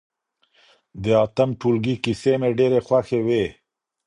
د اتم ټولګي کیسې مي ډېرې خوښې وې.